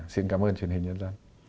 xin cảm ơn truyền hình nhân dân